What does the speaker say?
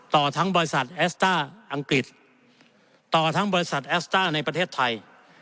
ต่อทั้งบริษัทแอสต้าอังกฤษต่อทั้งบริษัทแอสต้าในประเทศไทย